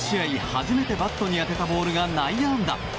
初めてバットに当てたボールが内野安打。